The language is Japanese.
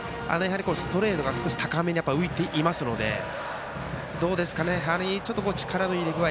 ストレートが少し高めに浮いているのでちょっと力の入れ具合